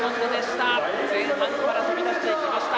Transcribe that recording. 前半から飛び出していきました。